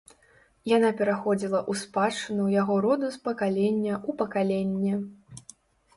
Яна пераходзіла ў спадчыну яго роду з пакалення ў пакаленне.